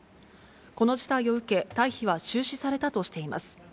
この事態を受け、退避は中止されたとしています。